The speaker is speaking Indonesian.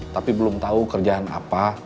tapi belum tahu kerjaan apa